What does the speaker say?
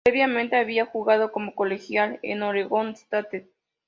Previamente había jugado como colegial en Oregon State.